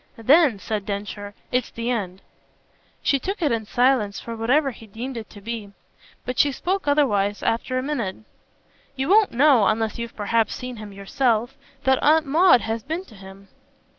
"Then," said Densher, "it's the end." She took it in silence for whatever he deemed it to be; but she spoke otherwise after a minute. "You won't know, unless you've perhaps seen him yourself, that Aunt Maud has been to him."